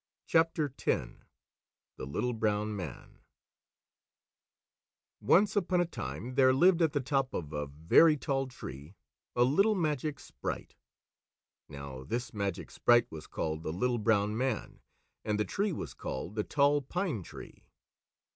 CHAPTER X THE LITTLE BROWN MAN Once upon a time, there lived at the top of a very tall tree a little magic sprite. Now this magic sprite was called the Little Brown Man, and the tree was called the Tall Pine Tree.